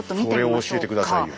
それを教えて下さいよ。